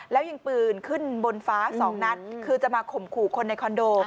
แล้วยิงปืนขึ้นบนฟ้าสองนัดคือจะมาข่มขู่คนในคอนโด